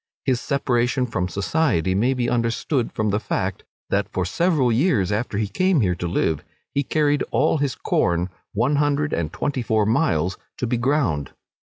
His separation from society may be understood from the fact, that, for several years after he came here to live, he carried all his corn one hundred and twenty four miles to be ground.